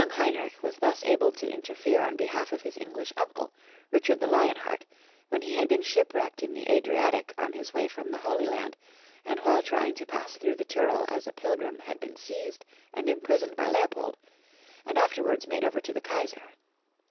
Young Heinrich was thus able to interfere on behalf of his English uncle, Richard the Lion Heart, when he had been shipwrecked in the Adriatic on his way from the Holy Land, and while trying to pass through the Tyrol as a pilgrim had been seized and imprisoned by Leopold, and afterwards made over to the Kaisar.